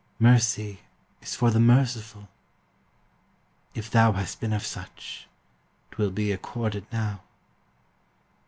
Mercy is for the merciful! if thou Hast been of such, 'twill be accorded now.